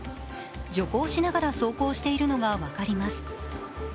徐行しながら走行しているのが分かります。